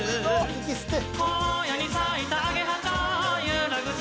息吸って。